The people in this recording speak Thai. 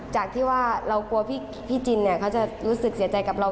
จากที่ว่าเรากลัวพี่จินเขาจะรู้สึกเสียใจกับเรา